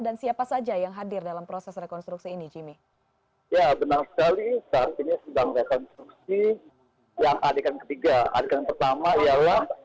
dan direktur kriminal umum